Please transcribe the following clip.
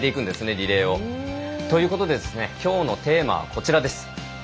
リレーをということできょうのテーマはこちらです。